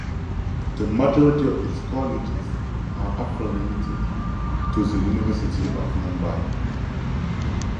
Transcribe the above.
The majority of its colleges are affiliated to the University of Mumbai.